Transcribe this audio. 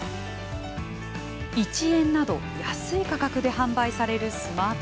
１円など安い価格で販売されるスマートフォン。